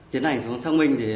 tiến hành xuống sáng binh